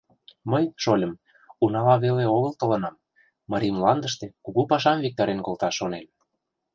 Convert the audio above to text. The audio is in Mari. Мый, шольым, унала веле огыл толынам — марий мландыште кугу пашам виктарен колташ шонем.